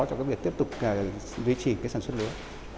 trong cái việc tiếp tục duy trì cái sản xuất lúa